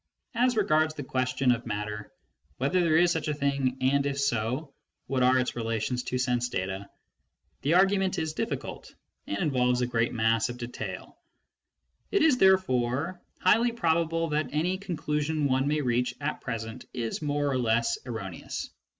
As regards the question of matter, whether there is such a thing, and, if so, what are its relations to sense data, the argument is difficult and involves a great mass of detail ; it is therefore highly probable that any con clusion one may reach at present is more or less erroneous.